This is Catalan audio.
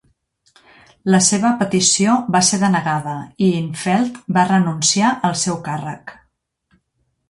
La seva petició va ser denegada i Infeld va renunciar al seu càrrec.